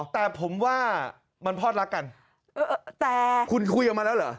แต่ผมว่ามันพอดรักกันแต่คุณคุยกันมาแล้วเหรอ